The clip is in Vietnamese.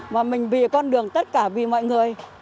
mà mình vì con đường tất cả vì mọi người